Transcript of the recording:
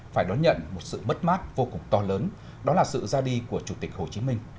phải đón nhận một sự mất mát vô cùng to lớn đó là sự ra đi của chủ tịch hồ chí minh